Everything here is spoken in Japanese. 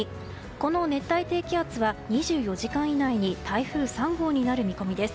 この熱帯低気圧は２４時間以内に台風３号になる見込みです。